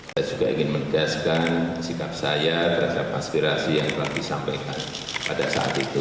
saya juga ingin menegaskan sikap saya terhadap aspirasi yang telah disampaikan pada saat itu